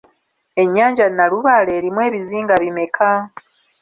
Ennyanja Nnalubaale erimu ebizinga bimmeka?